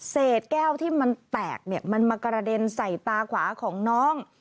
เศษแก้วที่มันแตกเนี่ยมันมากระเด็นใส่ตาขวาของน้อง